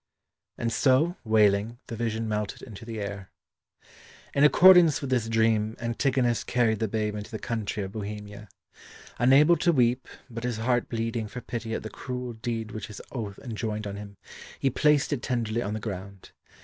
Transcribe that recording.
And so, wailing, the vision melted into the air. In accordance with this dream, Antigonus carried the babe into the country of Bohemia. Unable to weep, but his heart bleeding for pity at the cruel deed which his oath enjoined on him, he placed it tenderly on the ground.